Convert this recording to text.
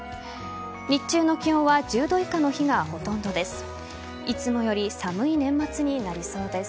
日中の気温は１０度以下の日がほとんどです。